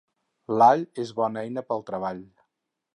L'all és bona eina pel treball.